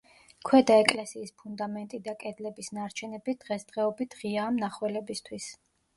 ქვედა ეკლესიის ფუნდამენტი და კედლების ნარჩენები დღესდღეობით ღიაა მნახველებისთვის.